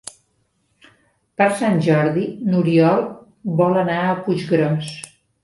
Per Sant Jordi n'Oriol vol anar a Puiggròs.